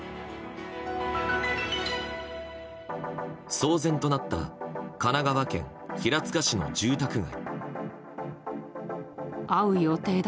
騒然となった神奈川県平塚市の住宅街。